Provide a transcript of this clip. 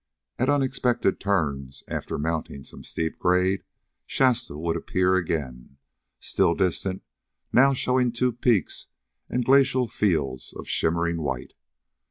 At unexpected turns, after mounting some steep grade, Shasta would appear again, still distant, now showing two peaks and glacial fields of shimmering white.